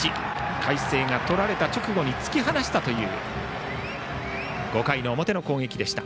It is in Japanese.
海星がとられた直後に突き放したという５回の表の攻撃でした。